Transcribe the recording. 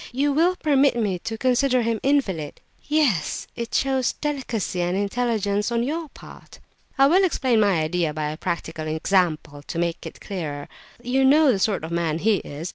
You will permit me to consider him an invalid?" "Yes, it shows delicacy and intelligence on your part." "I will explain my idea by a practical example, to make it clearer. You know the sort of man he is.